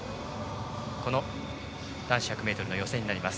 この男子１００ｍの予選です。